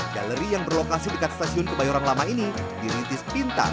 galeri yang berlokasi dekat stasiun kebayoran lama ini dirintis pintar